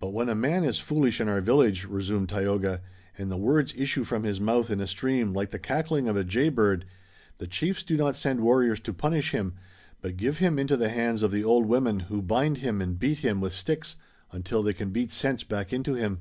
"But when a man is foolish in our village," resumed Tayoga, "and the words issue from his mouth in a stream like the cackling of a jay bird, the chiefs do not send warriors to punish him, but give him into the hands of the old women, who bind him and beat him with sticks until they can beat sense back into him."